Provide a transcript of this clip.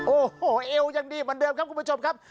โอ้โหเอวยังดีเหมือนเดิมครับคุณผู้ชมครับ